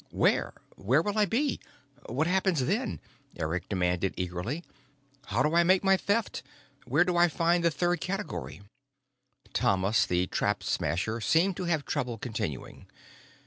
"Where? Where will I be? What happens then?" Eric demanded eagerly. "How do I make my Theft? Where do I find the third category?" Thomas the Trap Smasher seemed to have trouble continuing.